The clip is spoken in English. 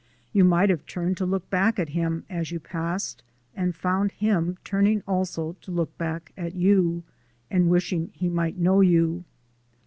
You might have turned to look back at him, as you passed, and found him turning also to look back at you and wishing he might know you.